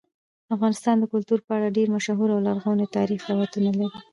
افغانستان د کلتور په اړه ډېر مشهور او لرغوني تاریخی روایتونه لري.